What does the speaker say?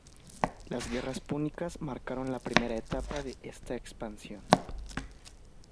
Las guerras púnicas marcaron la primera etapa de esta expansión.